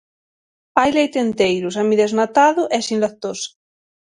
Hai leite enteiro, semidesnatado e sen lactosa.